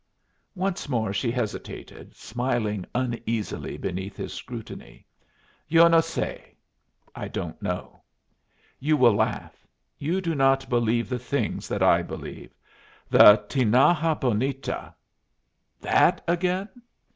Once more she hesitated, smiling uneasily beneath his scrutiny. "Yo no se" (I don't know). "You will laugh. You do not believe the things that I believe. The Tinaja Bonita " "That again!"